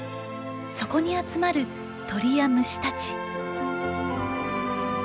そこに集まる鳥や虫たち。